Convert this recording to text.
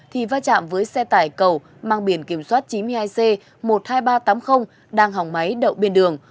thì va chạm với xe tải cầu mang biển kiểm soát chín mươi hai c một mươi hai nghìn ba trăm tám mươi đang hỏng máy đậu bên đường